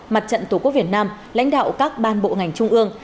mặt trận tổ quốc việt nam lãnh đạo các ban bộ ngành trung ương